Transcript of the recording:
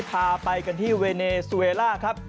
พาไปกันที่เวเนซูเวล่าครับ